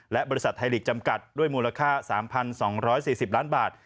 และบริษัทไทยลีกจำกัดด้วยมูลค่า๓๒๔๐ล้านบาท